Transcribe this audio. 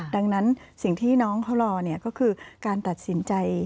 ดังนั้นสิ่งที่น้องเขารอก็คือการตัดสินใจ